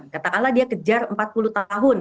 katakanlah dia kejar empat puluh tahun